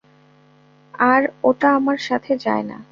আর ওটা আমার সাথে যায় না।